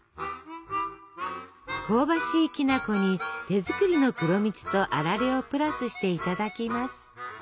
香ばしいきな粉に手作りの黒蜜とあられをプラスしていただきます。